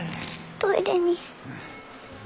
トイレに。